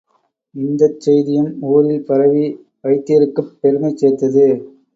இந்தச் செய்தியும் ஊரில் பரவி, வைத்தியருக்குப் பெருமை சேர்த்தது.